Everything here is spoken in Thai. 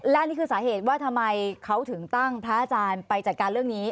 และนี่คือสาเหตุว่าทำไมเขาถึงตั้งพระอาจารย์ไปจัดการเรื่องนี้